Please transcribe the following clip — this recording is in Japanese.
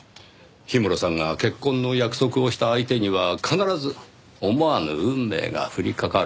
氷室さんが結婚の約束をした相手には必ず思わぬ運命が降りかかる。